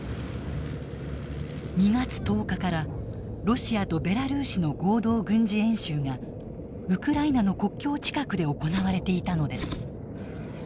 ２月１０日からロシアとベラルーシの合同軍事演習がウクライナの国境近くで行われていたのです。